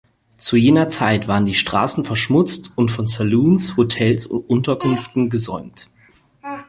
Zu jener Zeit waren die Straßen verschmutzt und von Saloons, Hotels und Unterkünften gesäumt.